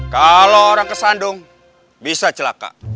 kalau orang kesandung bisa celaka